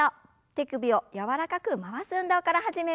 手首を柔らかく回す運動から始めます。